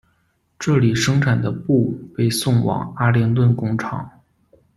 这里生产的布被送往阿灵顿工厂。